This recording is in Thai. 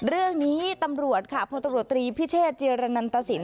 เรื่องนี้ตำรวจค่ะพลตำรวจตรีพิเชษเจียรนันตสิน